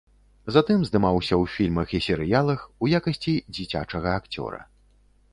Затым здымаўся ў фільмах і серыялах, у якасці дзіцячага акцёра.